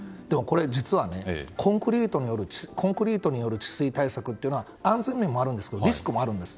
実はコンクリートによる治水対策って安全面もあるんですけどリスクもあるんです。